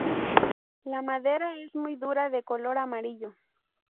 La madera es muy dura, de color amarillo.